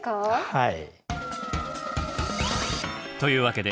はい。